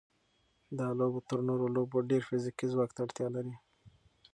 دا لوبه تر نورو لوبو ډېر فزیکي ځواک ته اړتیا لري.